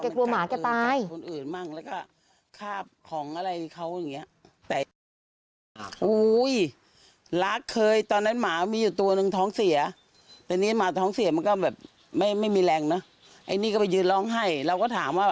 แกกลัวหมาแกตาย